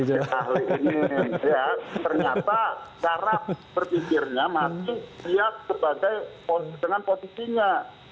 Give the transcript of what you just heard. ternyata cara berpikirnya masih lihat sebagai dengan posisinya